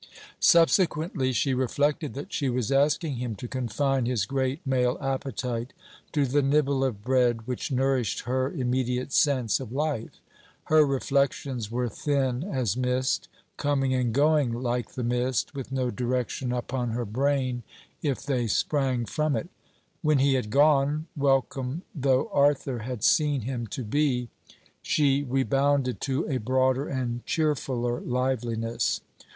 Subsequently she reflected that she was asking him to confine his great male appetite to the nibble of bread which nourished her immediate sense of life. Her reflections were thin as mist, coming and going like the mist, with no direction upon her brain, if they sprang from it. When he had gone, welcome though Arthur had seen him to be, she rebounded to a broader and cheerfuller liveliness.